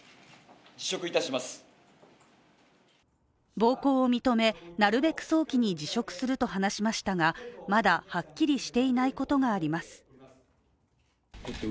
暴行を認め、なるべく早期に辞職すると話しましたがまだ、はっきりしていないことがあります。